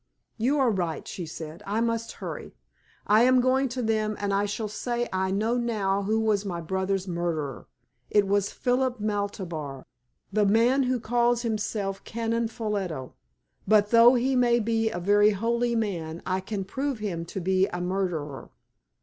"You are right," she said, "I must hurry; I am going to them and I shall say I know now who was my brother's murderer! It was Philip Maltabar, the man who calls himself Canon Ffolliot. But though he may be a very holy man, I can prove him to be a murderer!"